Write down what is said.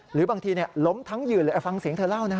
หรือบางทีล้มทั้งยืนเลยฟังเสียงเธอเล่านะฮะ